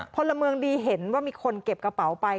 พลเมืองดีเห็นว่ามีคนเก็บกระเป๋าไป